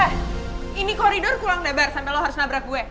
eh ini koridor kurang lebar sampe lu harus nabrak gue